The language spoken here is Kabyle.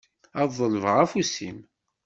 Ad d-ḍelbeɣ afus-im.